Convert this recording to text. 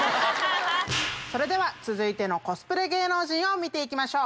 それでは続いてのコスプレ芸能人見て行きましょう。